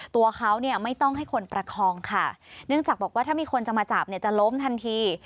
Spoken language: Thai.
ตัวเขาเนี่ยไม่ต้องให้คนประคองค่ะเนื่องจากบอกว่าถ้ามีคนจะมาจับเนี่ยจะล้มทันที